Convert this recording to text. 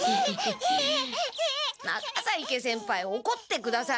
中在家先輩おこってください。